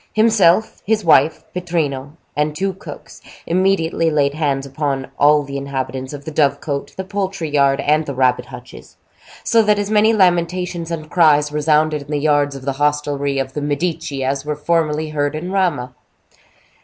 Himself, his wife, Pittrino, and two cooks, immediately laid hands upon all the inhabitants of the dove cote, the poultry yard, and the rabbit hutches; so that as many lamentations and cries resounded in the yards of the hostelry of the Medici as were formerly heard in Rama.